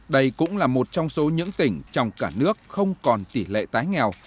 đây cũng là một trong số những tỉnh trong cả nước không còn tỷ lệ tái nghèo